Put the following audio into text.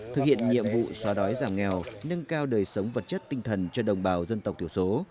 thực hiện nhiệm vụ xóa đói giảm nghèo nâng cao đời sống vật chất tinh thần cho đồng bào dân tộc thiểu số